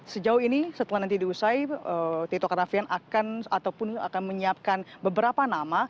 sejauh ini setelah nanti diusai tito karnavian akan ataupun akan menyiapkan beberapa nama